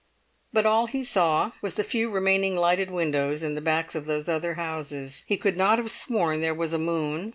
But all he saw was the few remaining lighted windows in the backs of those other houses; he could not have sworn there was a moon.